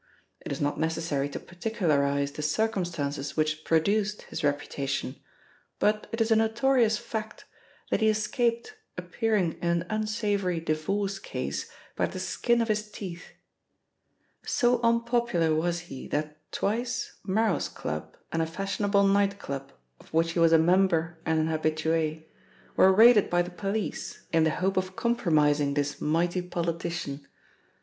It is not necessary to particularise the circumstances which produced his reputation, but it is a notorious fact that he escaped appearing in an unsavoury divorce case by the skin of his teeth. So unpopular was he that twice Merros Club and a fashionable night club of which he was a member and an habitue, were raided by the police in the hope of compromising this mighty politician.